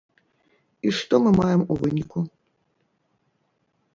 І што мы маем у выніку?